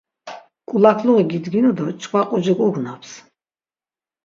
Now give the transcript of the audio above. Ǩulakluği gidginu do çkva qucik ugnaps.